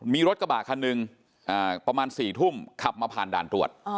มีรถกระบะคันหนึ่งประมาณ๔ทุ่มขับมาผ่านด่านตรวจ